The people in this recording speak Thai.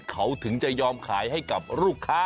เขาถึงจะยอมขายให้กับลูกค้า